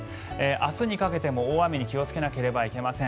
明日にかけても大雨に気をつけなければいけません。